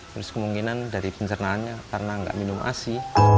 terus kemungkinan dari pencernaannya karena nggak minum asi